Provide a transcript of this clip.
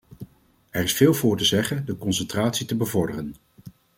Er is veel voor te zeggen de concentratie te bevorderen.